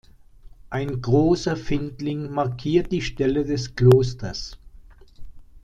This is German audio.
Ein großer Findling markiert die Stelle des Klosters.